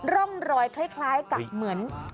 ร่องรอยคล้ายกับเหมือน